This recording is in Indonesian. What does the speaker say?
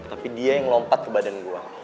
tapi dia yang lompat ke badan gua